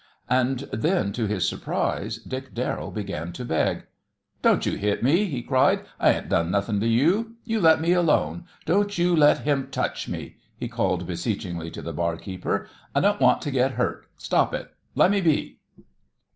And then to his surprise Dick Darrell began to beg. "Don't you hit me!" he cried, "I ain't done nothing to you. You let me alone! Don't you let him touch me!" he called beseechingly to the barkeeper. "I don't want to get hurt. Stop it! Let me be!"